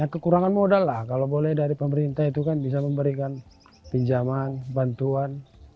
kekurangan modal lah kalau boleh dari pemerintah itu kan bisa memberikan pinjaman bantuan